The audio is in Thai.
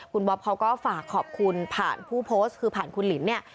คุณบ๊อบเขาก็ฝากขอบคุณผ่านผู้โพสต์คือผ่านคุณหลินเนี่ย